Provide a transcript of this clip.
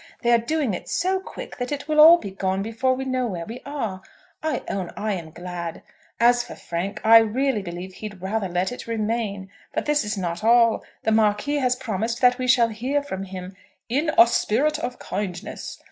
They are doing it so quick, that it will all be gone before we know where we are. I own I am glad. As for Frank, I really believe he'd rather let it remain. But this is not all. The Marquis has promised that we shall hear from him "in a spirit of kindness."